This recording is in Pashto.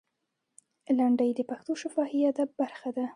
لنډۍ د پښتو شفاهي ادب برخه ده.